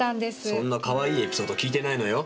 そんなかわいいエピソード聞いてないのよ。